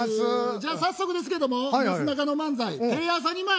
じゃあ早速ですけどもなすなかの漫才「テレ朝に舞え！